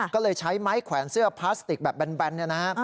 ก็เลยใช้ไม้แขวนเสื้อพลาสติกแบบแบนเนี่ยนะฮะ